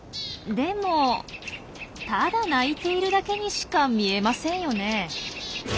でもただ鳴いているだけにしか見えませんよね？